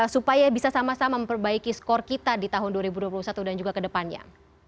supaya bisa sama sama memperbaiki skor kita di tahun dua ribu dua puluh satu dan juga ke depannya